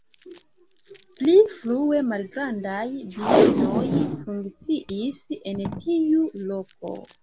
Pli frue malgrandaj bienoj funkciis en tiu loko.